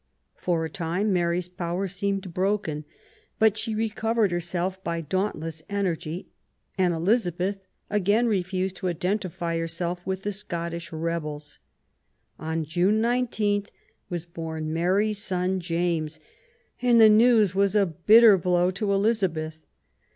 For a time Mary's power seemed broken, but she recovered herself by dauntless energy, and Elizabeth again refused to identify herself with the Scottish rebels. On June 19 was born Mary's son, James, and the news was a bitter blow to Elizabeth.